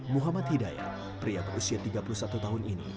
muhammad hidayat pria berusia tiga puluh satu tahun ini